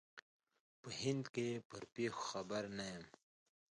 په هند کې پر پېښو خبر نه یم.